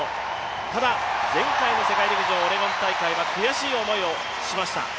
ただ前回の世界陸上オレゴン大会は悔しい思いをしました。